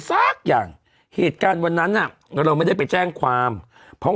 สักอย่างเหตุการณ์วันนั้นน่ะเราไม่ได้ไปแจ้งความเพราะ